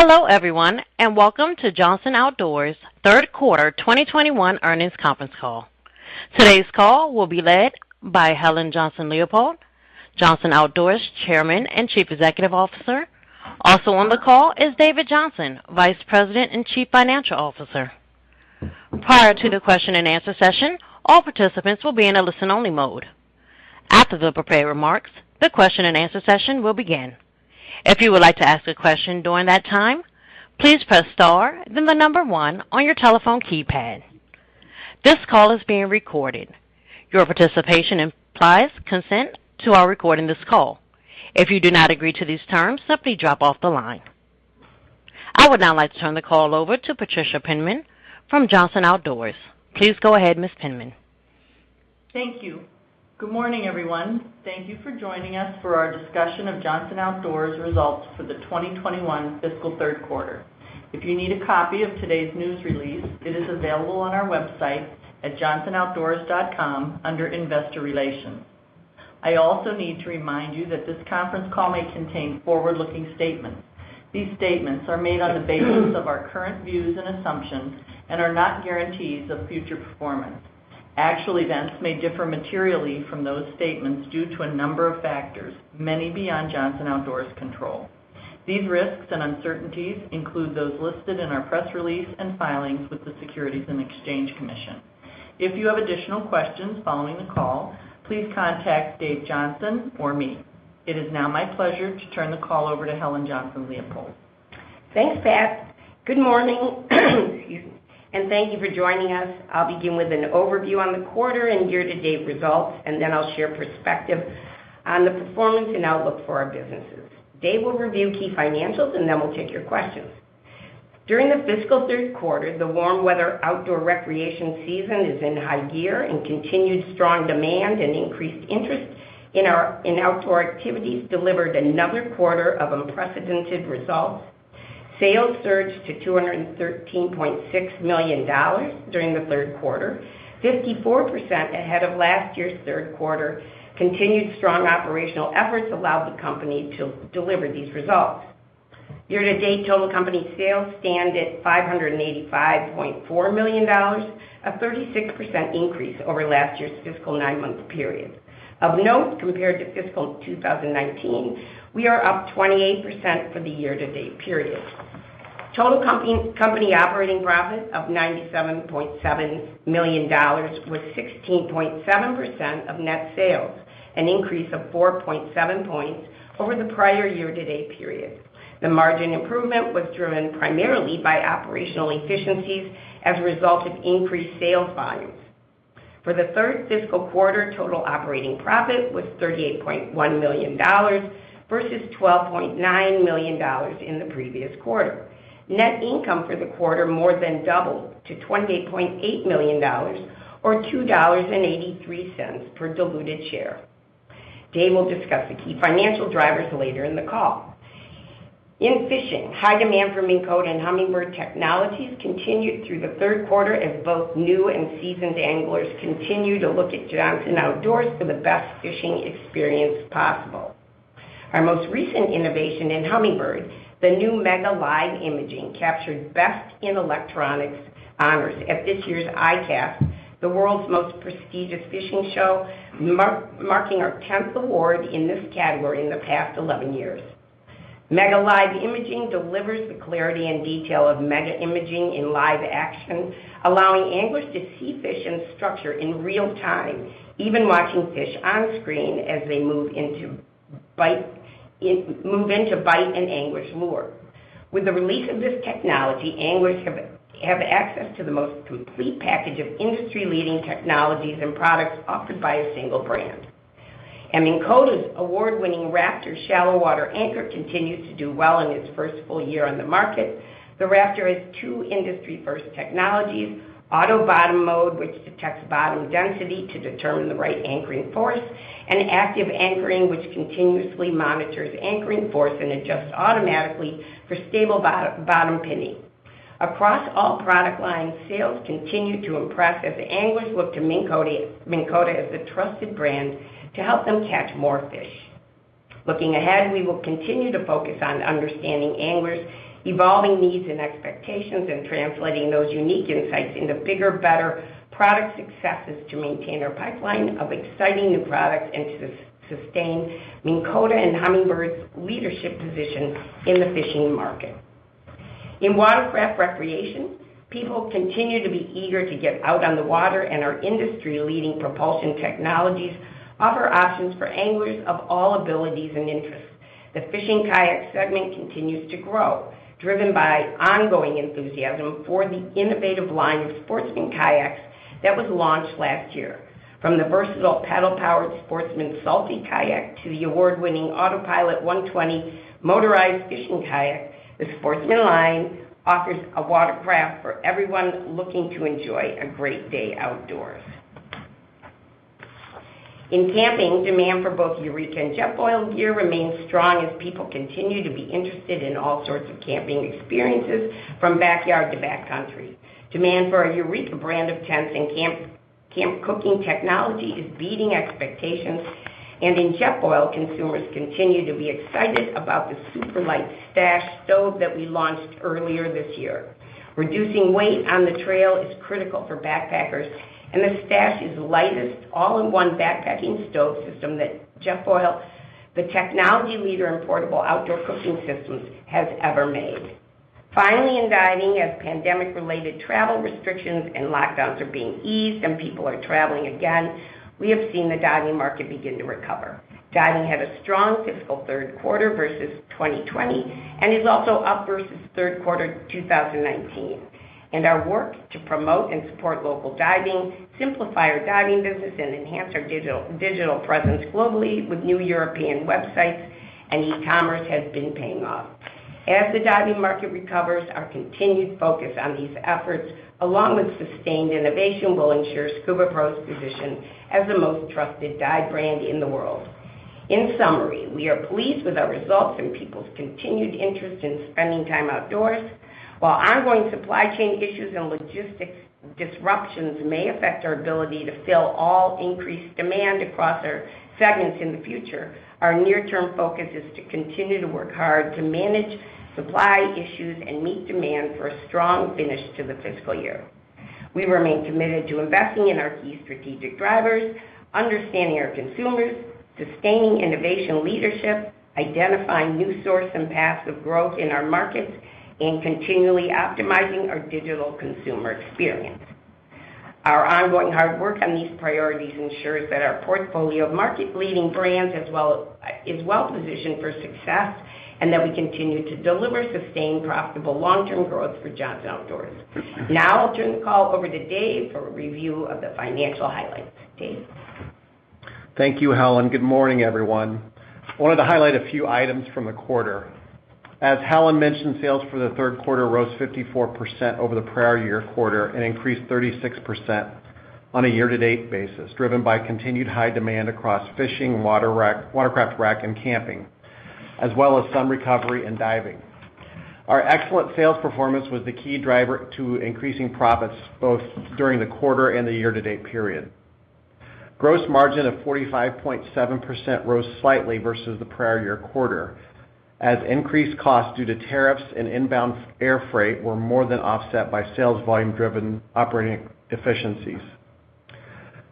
Hello, everyone, and welcome to Johnson Outdoors' third quarter 2021 earnings conference call. Today's call will be led by Helen Johnson-Leipold, Johnson Outdoors' Chairman and Chief Executive Officer. Also on the call is David Johnson, Vice President and Chief Financial Officer. Prior to the question and answer session, all participants will be in a listen-only mode. After the prepared remarks, the question and answer session will begin. If you would like to ask a question during that time, please press star then the number one on your telephone keypad. This call is being recorded. Your participation implies consent to our recording of this call. If you do not agree to these terms, simply drop off the line. I would now like to turn the call over to Patricia Penman from Johnson Outdoors. Please go ahead, Ms. Penman. Thank you. Good morning, everyone. Thank you for joining us for our discussion of Johnson Outdoors' results for the 2021 fiscal third quarter. If you need a copy of today's news release, it is available on our website at johnsonoutdoors.com under Investor Relations. I also need to remind you that this conference call may contain forward-looking statements. These statements are made on the basis of our current views and assumptions and are not guarantees of future performance. Actual events may differ materially from those statements due to a number of factors, many beyond Johnson Outdoors' control. These risks and uncertainties include those listed in our press release and filings with the Securities and Exchange Commission. If you have additional questions following the call, please contact Dave Johnson or me. It is now my pleasure to turn the call over to Helen Johnson-Leipold. Thanks, Pat. Good morning, excuse me. Thank you for joining us. I'll begin with an overview on the quarter and year-to-date results. Then I'll share perspective on the performance and outlook for our businesses. Dave will review key financials. Then we'll take your questions. During the fiscal third quarter, the warm weather outdoor recreation season is in high gear. Continued strong demand and increased interest in outdoor activities delivered another quarter of unprecedented results. Sales surged to $213.6 million during the third quarter, 54% ahead of last year's third quarter. Continued strong operational efforts allowed the company to deliver these results. Year-to-date total company sales stand at $585.4 million, a 36% increase over last year's fiscal nine-month period. Of note, compared to fiscal 2019, we are up 28% for the year-to-date period. Total company operating profit of $97.7 million was 16.7% of net sales, an increase of 4.7 points over the prior year-to-date period. The margin improvement was driven primarily by operational efficiencies as a result of increased sales volumes. For the third fiscal quarter, total operating profit was $38.1 million versus $12.9 million in the previous quarter. Net income for the quarter more than doubled to $28.8 million or $2.83 per diluted share. Dave will discuss the key financial drivers later in the call. In fishing, high demand for Minn Kota and Humminbird technologies continued through the third quarter as both new and seasoned anglers continue to look at Johnson Outdoors for the best fishing experience possible. Our most recent innovation in Humminbird, the new MEGA Live Imaging, captured Best in Electronics honors at this year's ICAST, the world's most prestigious fishing show, marking our 10th award in this category in the past 11 years. MEGA Live Imaging delivers the clarity and detail of MEGA Imaging in live action, allowing anglers to see fish and structure in real-time, even watching fish on screen as they move into bite an angler's lure. With the release of this technology, anglers have access to the most complete package of industry-leading technologies and products offered by a single brand. Minn Kota's award-winning Raptor shallow-water anchor continues to do well in its first full year on the market. The Raptor has two industry-first technologies, Auto-Bottom Mode, which detects bottom density to determine the right anchoring force, and Active Anchoring, which continuously monitors anchoring force and adjusts automatically for stable bottom pinning. Across all product lines, sales continue to impress as anglers look to Minn Kota as the trusted brand to help them catch more fish. Looking ahead, we will continue to focus on understanding anglers' evolving needs and expectations and translating those unique insights into bigger, better product successes to maintain our pipeline of exciting new products and to sustain Minn Kota and Humminbird's leadership position in the fishing market. In watercraft recreation, people continue to be eager to get out on the water, and our industry-leading propulsion technologies offer options for anglers of all abilities and interests. The fishing kayak segment continues to grow, driven by ongoing enthusiasm for the innovative line of Sportsman kayaks that was launched last year. From the versatile paddle-powered Sportsman Salty kayak to the award-winning AutoPilot 120 motorized fishing kayak, the Sportsman line offers a watercraft for everyone looking to enjoy a great day outdoors. In camping, demand for both Eureka! and Jetboil gear remains strong as people continue to be interested in all sorts of camping experiences from backyard to backcountry. Demand for our Eureka! brand of tents and camp cooking technology is beating expectations, and in Jetboil, consumers continue to be excited about the super-light Stash stove that we launched earlier this year. Reducing weight on the trail is critical for backpackers, and the Stash is the lightest all-in-one backpacking stove system that Jetboil, the technology leader in portable outdoor cooking systems, has ever made. Finally, in diving, as pandemic-related travel restrictions and lockdowns are being eased and people are traveling again, we have seen the diving market begin to recover. Diving had a strong fiscal third quarter versus 2020 and is also up versus third quarter 2019. Our work to promote and support local diving, simplify our diving business, and enhance our digital presence globally with new European websites and e-commerce has been paying off. As the diving market recovers, our continued focus on these efforts, along with sustained innovation, will ensure SCUBAPRO's position as the most trusted dive brand in the world. In summary, we are pleased with our results and people's continued interest in spending time outdoors. While ongoing supply chain issues and logistics disruptions may affect our ability to fill all increased demand across our segments in the future, our near-term focus is to continue to work hard to manage supply issues and meet demand for a strong finish to the fiscal year. We remain committed to investing in our key strategic drivers, understanding our consumers, sustaining innovation leadership, identifying new source and paths of growth in our markets, and continually optimizing our digital consumer experience. Our ongoing hard work on these priorities ensures that our portfolio of market-leading brands is well-positioned for success, and that we continue to deliver sustained, profitable long-term growth for Johnson Outdoors. Now, I'll turn the call over to Dave for a review of the financial highlights. Dave? Thank you, Helen. Good morning, everyone. I wanted to highlight a few items from the quarter. As Helen mentioned, sales for the third quarter rose 54% over the prior year quarter and increased 36% on a year-to-date basis, driven by continued high demand across fishing, watercraft rec, and camping, as well as some recovery in diving. Our excellent sales performance was the key driver to increasing profits both during the quarter and the year-to-date period. Gross margin of 45.7% rose slightly versus the prior year quarter, as increased costs due to tariffs and inbound air freight were more than offset by sales volume-driven operating efficiencies.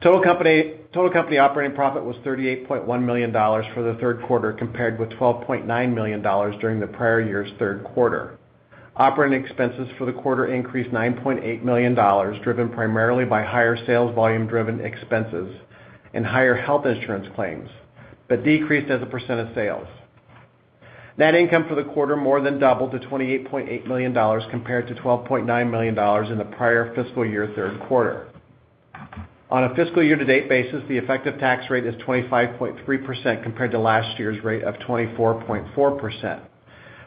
Total company operating profit was $38.1 million for the third quarter, compared with $12.9 million during the prior year's third quarter. Operating expenses for the quarter increased $9.8 million, driven primarily by higher sales volume-driven expenses and higher health insurance claims, but decreased as a percentage of sales. Net income for the quarter more than doubled to $28.8 million, compared to $12.9 million in the prior fiscal year third quarter. On a fiscal year-to-date basis, the effective tax rate is 25.3% compared to last year's rate of 24.4%.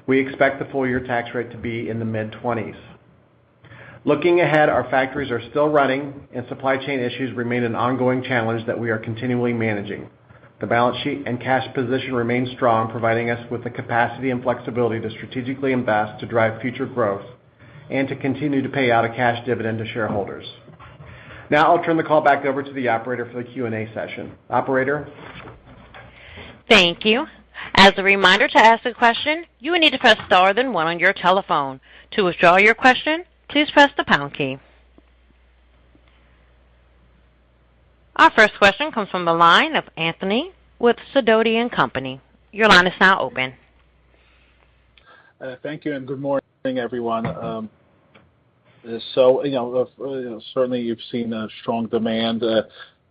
We expect the full-year tax rate to be in the mid-20s. Looking ahead, our factories are still running, and supply chain issues remain an ongoing challenge that we are continually managing. The balance sheet and cash position remain strong, providing us with the capacity and flexibility to strategically invest to drive future growth and to continue to pay out a cash dividend to shareholders. Now, I'll turn the call back over to the operator for the Q&A session. Operator? Thank you. As a reminder to ask a question, you will need to press star then one on your telephone. To withdraw your question, please press the pound key. Our first question comes from the line of Anthony with Sidoti & Company. Your line is now open. Thank you, and good morning, everyone. Certainly, you've seen a strong demand,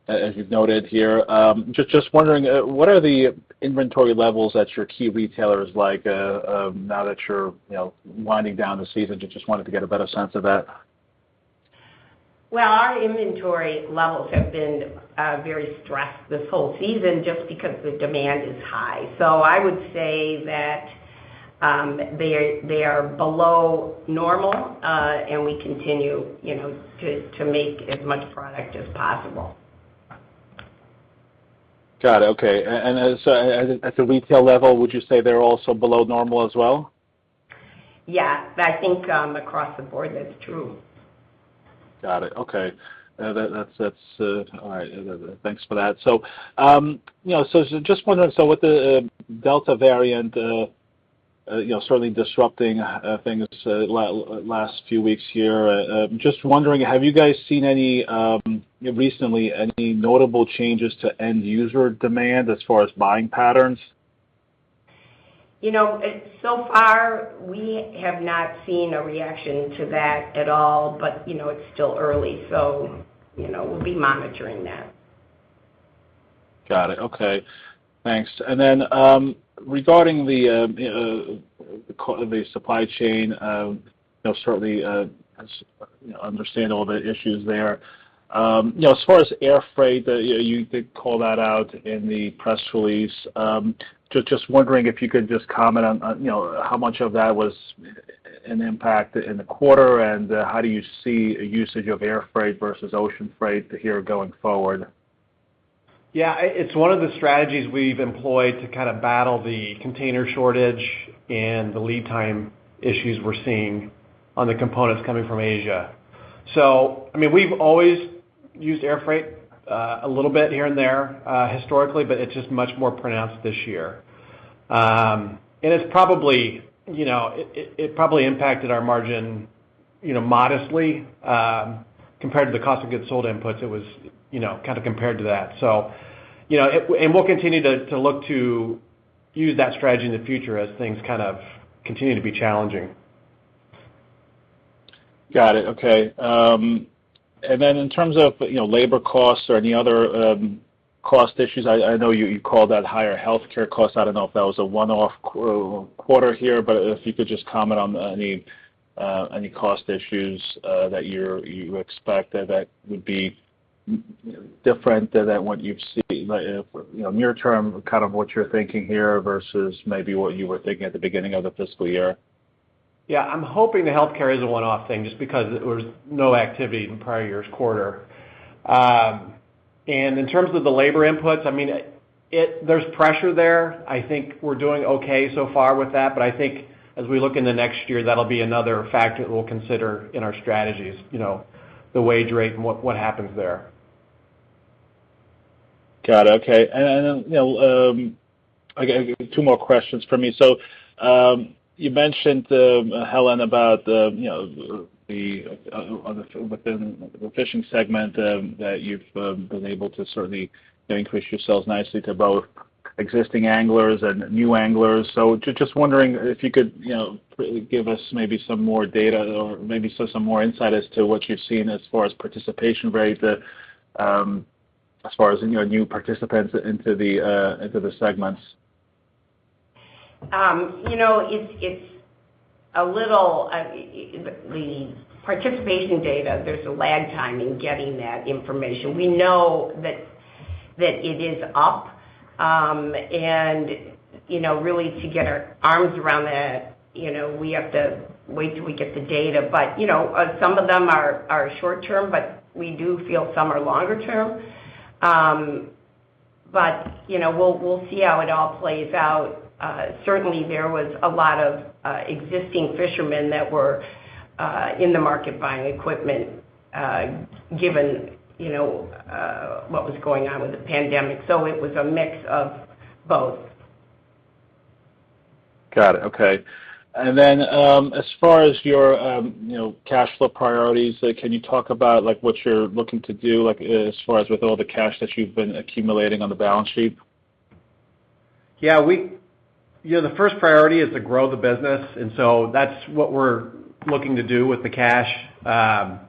as you've noted here. Just wondering, what are the inventory levels at your key retailers like now that you're winding down the season? Just wanted to get a better sense of that. Well, our inventory levels have been very stressed this whole season just because the demand is high. I would say that they are below normal, and we continue to make as much product as possible. Got it. Okay. At the retail level, would you say they're also below normal as well? Yeah. I think across the board, that's true. Got it. Okay. All right. Thanks for that. Just wondering, so with the Delta variant certainly disrupting things the last few weeks here, just wondering, have you guys seen any, recently, any notable changes to end-user demand as far as buying patterns? Far, we have not seen a reaction to that at all. It's still early, so we'll be monitoring that. Got it. Okay. Thanks. Regarding the supply chain, certainly, I understand all the issues there. As far as air freight, you did call that out in the press release. Just wondering if you could just comment on how much of that was an impact in the quarter, and how do you see usage of air freight versus ocean freight here going forward? Yeah. It's one of the strategies we've employed to kind of battle the container shortage and the lead time issues we're seeing on the components coming from Asia. We've always used air freight, a little bit here and there, historically, but it's just much more pronounced this year. It probably impacted our margin modestly. Compared to the cost of goods sold inputs, it was kind of compared to that. We'll continue to look to use that strategy in the future as things kind of continue to be challenging. Got it. Okay. In terms of labor costs or any other cost issues, I know you called out higher healthcare costs. I don't know if that was a one-off quarter here, if you could just comment on any cost issues that you expect that would be different than what you've seen. Near-term, kind of what you're thinking here versus maybe what you were thinking at the beginning of the fiscal year. Yeah. I'm hoping the healthcare is a one-off thing just because there was no activity in prior year's quarter. In terms of the labor inputs, there's pressure there. I think we're doing okay so far with that. I think as we look into next year, that'll be another factor that we'll consider in our strategies, the wage rate and what happens there. Got it. Okay. Two more questions from me. You mentioned, Helen, about within the fishing segment, that you've been able to certainly increase your sales nicely to both existing anglers and new anglers. Just wondering if you could give us maybe some more data or maybe some more insight as to what you've seen as far as participation rates, as far as new participants into the segments. The participation data, there's a lag time in getting that information. We know that it is up. Really to get our arms around that, we have to wait till we get the data. Some of them are short-term, but we do feel some are longer term. We'll see how it all plays out. Certainly, there was a lot of existing fishermen that were in the market buying equipment, given what was going on with the pandemic. It was a mix of both. Got it. Okay. As far as your cash flow priorities, can you talk about what you're looking to do, as far as with all the cash that you've been accumulating on the balance sheet? The first priority is to grow the business, that's what we're looking to do with the cash. A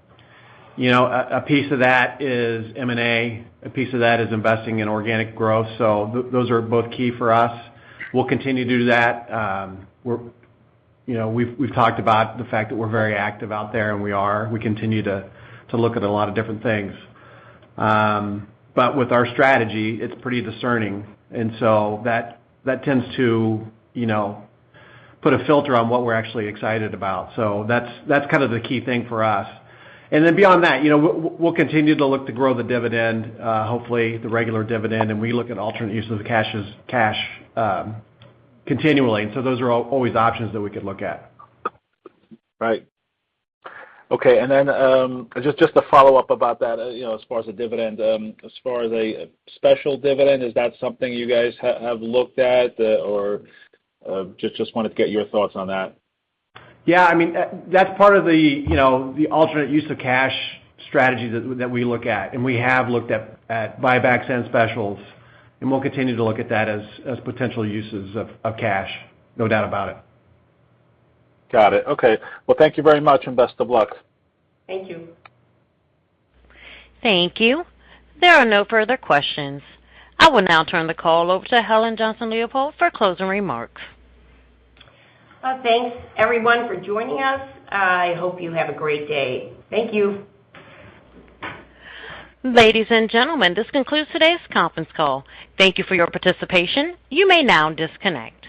piece of that is M&A, a piece of that is investing in organic growth. Those are both key for us. We'll continue to do that. We've talked about the fact that we're very active out there, and we are. We continue to look at a lot of different things. With our strategy, it's pretty discerning, and so that tends to put a filter on what we're actually excited about. That's kind of the key thing for us. Beyond that, we'll continue to look to grow the dividend, hopefully the regular dividend, and we look at alternate uses of cash continually. Those are always options that we could look at. Right. Okay. Just a follow-up about that, as far as the dividend. As far as a special dividend, is that something you guys have looked at, or just wanted to get your thoughts on that? Yeah. That's part of the alternate use of cash strategy that we look at, and we have looked at buybacks and specials, and we'll continue to look at that as potential uses of cash, no doubt about it. Got it. Okay. Well, thank you very much and best of luck. Thank you. Thank you. There are no further questions. I will now turn the call over to Helen Johnson-Leipold for closing remarks. Thanks everyone for joining us. I hope you have a great day. Thank you. Ladies and gentlemen, this concludes today's conference call. Thank you for your participation. You may now disconnect.